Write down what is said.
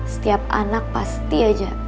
setiap anak pasti aja